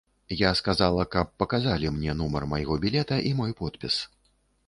Я сказала, каб паказалі мне нумар майго білета і мой подпіс.